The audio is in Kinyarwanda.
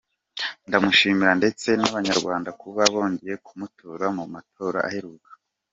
Ndamushimira ndetse n’Abanyarwanda kuba bongeye kumutora mu matora aheruka.